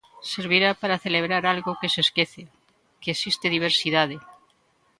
Servirá para celebrar algo que se esquece, que existe diversidade.